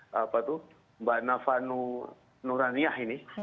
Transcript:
yang ditulis oleh mbak navanu nuraniah ini